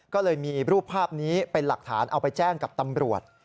ก็เลยมีรูปภาพนี้เป็นหลักฐานเอาไปแจ้งกับตำรวจ